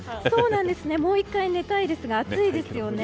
もう１回寝たいですが暑いですよね。